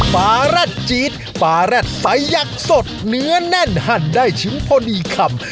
ปลารัดจี๊ดปลาแร็ดไซสยักษ์สดเนื้อแน่นหั่นได้ชิมพอดีคำ